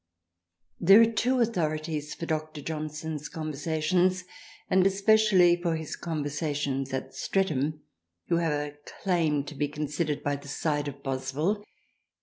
'TT^HERE are two authorities for Dr. Johnson's * conversations and especially for his conver sations at Streatham who have a claim to be considered by the side of Boswell.